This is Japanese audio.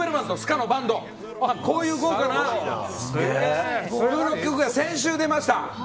こういう豪華な１６曲が先週出ました。